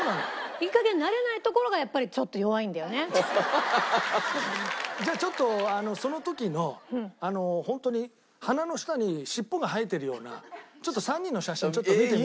いい加減慣れないところがやっぱりじゃあちょっとその時のホントに鼻の下に尻尾が生えてるような３人の写真ちょっと見てみる？